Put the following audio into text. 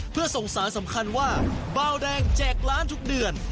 เพื่อส่งสารสำคัญว่าเบาแดงแจกล้านทุกเดือน